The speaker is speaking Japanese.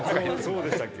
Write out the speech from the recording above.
そうでしたっけ？